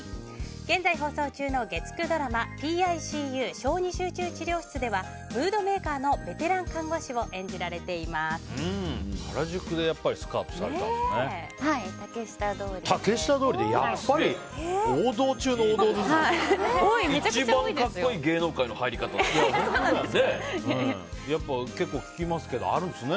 現在放送中の月９ドラマ「ＰＩＣＵ小児集中治療室」ではムードメーカーのベテラン看護師を原宿でスカウトされたんですね。